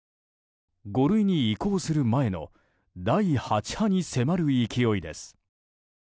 ５類に移行する前の第８波に迫る勢いです。